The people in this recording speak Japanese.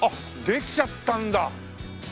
できちゃったんだ。